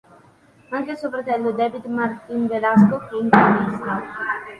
Anche suo fratello David Martín Velasco fu un ciclista.